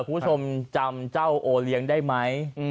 คุณผู้ชมจำเจ้าโอเลี้ยงได้ไหม